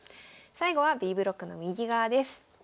最後はＢブロックの右側です。